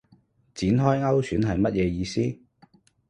展開勾選係乜嘢意思